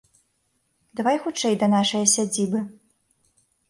Давай хутчэй да нашае сядзібы.